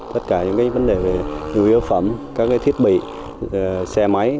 tất cả những vấn đề về nhu yếu phẩm các thiết bị xe máy